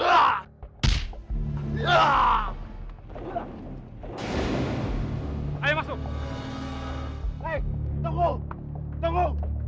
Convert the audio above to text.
artinya makeup nya tidak mungkin serba bagus